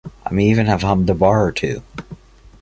I may even have hummed a bar or two.